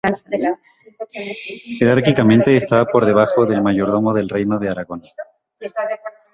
Jerárquicamente estaba por debajo del Mayordomo del Reino de Aragón.